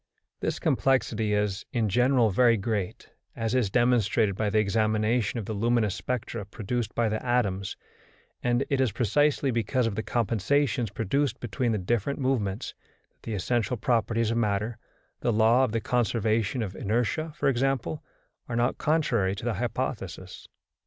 This complexity is, in general, very great, as is demonstrated by the examination of the luminous spectra produced by the atoms, and it is precisely because of the compensations produced between the different movements that the essential properties of matter the law of the conservation of inertia, for example are not contrary to the hypothesis.